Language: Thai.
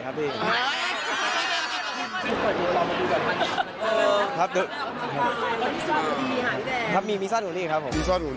หรือต้องให้คุณย่าสแกนก่อน